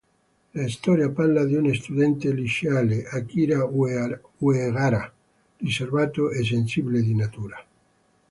La storia parla di uno studente liceale, Akira Uehara, riservato e sensibile di natura.